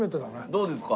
どうですか？